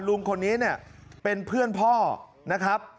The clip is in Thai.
ลุงคนนี้เนี่ยเป็นเพื่อนพ่อนะครับ